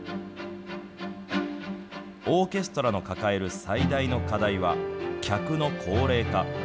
オーケストラの抱える最大の課題は、客の高齢化。